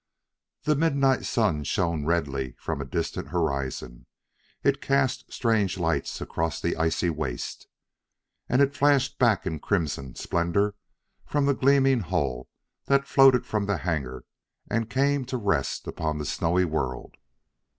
The midnight sun shone redly from a distant horizon. It cast strange lights across the icy waste. And it flashed back in crimson splendor from the gleaming hull that floated from the hangar and came to rest upon the snowy world.